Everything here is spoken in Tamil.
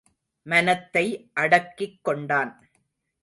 மனத்தை அடக்கிக் கொண்டான்.